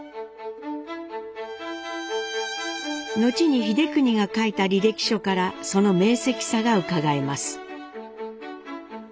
後に英邦が書いた履歴書からその明晰さがうかがえます。